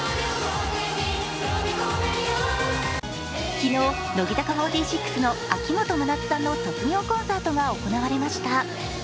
昨日、乃木坂４６の秋元真夏さんの卒業コンサートが行われました。